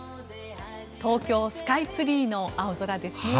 東京スカイツリーの青空ですね。